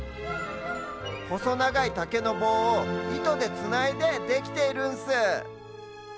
ほそながいたけのぼうをいとでつないでできているんス。